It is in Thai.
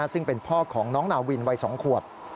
ซึ่งเป็นพ่อของน้องนาวินวัย๒ขวบ